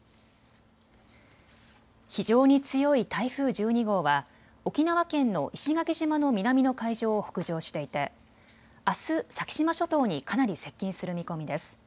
非常に強い台風１２号は沖縄県の石垣島の南の海上を北上していてあす、先島諸島にかなり接近する見込みです。